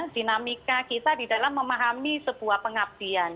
dinamika kita di dalam memahami sebuah pengabdian